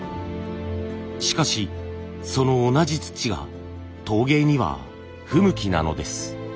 しかしその同じ土が陶芸には不向きなのです。